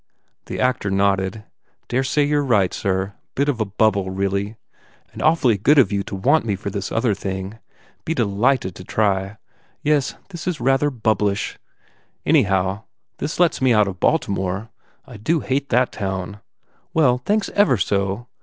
The actor nodded. "Dare say you re right, sir. Bit of a bubble, really. And awfully good of you to want me for this other thing. Be de lighted to try. ... Yes, this was rather bub blish : Anyhow, this lets me out of Baltimore. I do hate that town. Well, thanks ever so.